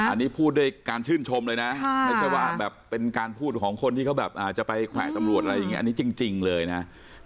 อันนี้พูดด้วยการชื่นชมเลยนะไม่ใช่ว่าแบบเป็นการพูดของคนที่เขาแบบจะไปแขวะตำรวจอะไรอย่างนี้อันนี้จริงเลยนะ